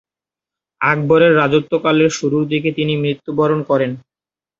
আকবরের রাজত্বকালের শুরুর দিকে তিনি মৃত্যুবরণ করেন।